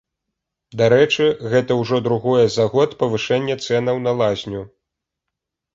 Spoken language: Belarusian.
Дарэчы, гэта ўжо другое за год павышэнне цэнаў на лазню.